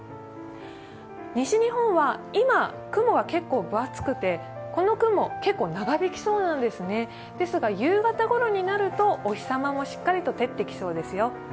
西日本は今、雲が結構分厚くてこの雲、結構長引きそうなんですねですが、夕方ごろになるとお日様もしっかりと照ってきそうですよ。